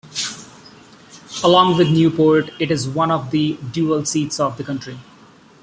Along with Newport, it is one of the dual seats of the county.